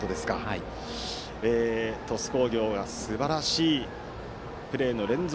鳥栖工業はすばらしいプレーの連続。